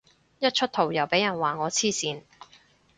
一出圖又俾人話我黐線